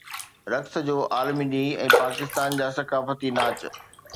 رقص جو عالمي ڏينهن ۽ پاڪستان جا ثقافتي ناچ